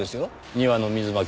庭の水まき